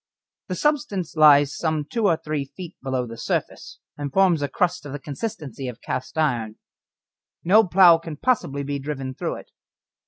The substance lies some two or three feet below the surface, and forms a crust of the consistency of cast iron. No plough can possibly be driven through it.